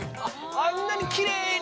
あんなにきれいに！